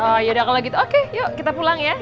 oh yaudah kalau gitu oke yuk kita pulang ya